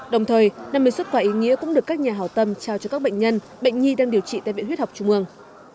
đồng thời năm mươi xuất quả ý nghĩa cũng được các nhà hào tâm trao cho các bệnh nhân bệnh nhi đang điều trị tại bệnh viện huyết học trung ương